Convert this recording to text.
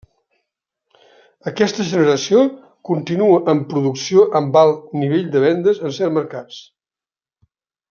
Aquesta generació continua en producció amb alt nivell de vendes en certs mercats.